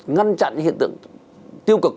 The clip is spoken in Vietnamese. ngăn chặn những hiện tượng tiêu cực